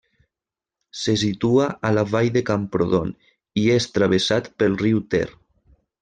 Se situa a la Vall de Camprodon i és travessat pel riu Ter.